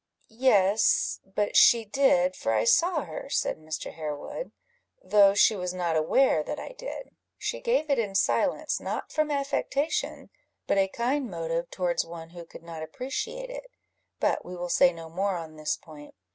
"Yes, but she did, for I saw her," said Mr. Harewood, "though she was not aware that I did. She gave it in silence, not from affectation, but a kind motive towards one who could not appreciate it; but we will say no more on this point.